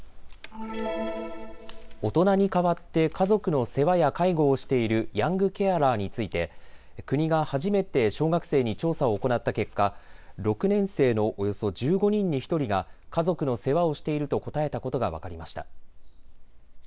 大人に代わって家族の世話や介護をしているヤングケアラーについて国が初めて小学生に調査を行った結果、６年生のおよそ１５人に１人が家族の世話をしていると答えたことが分かりました。